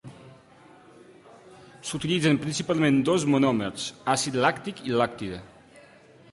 S'utilitzen principalment dos monòmers: àcid làctic i lactida.